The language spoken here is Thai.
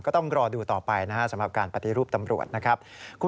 ก็ต้องรอดูต่อไปนะครับสำหรับการปฏิรูปตำรวจนะครับ